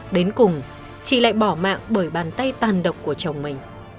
đến cùng chị lại bỏ mạng bởi bàn tay tàn độc của chồng mình